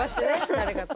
誰かと。